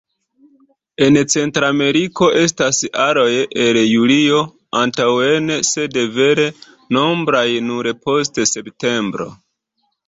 En Centrameriko estas aroj el julio antaŭen, sed vere nombraj nur post septembro.